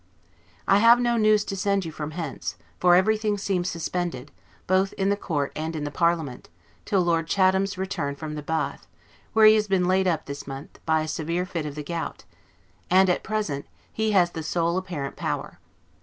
I have no news to send you from hence; for everything seems suspended, both in the court and in the parliament, till Lord Chatham's return from the Bath, where he has been laid up this month, by a severe fit of the gout; and, at present, he has the sole apparent power.